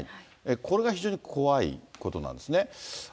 これが非常に怖いことなんですね。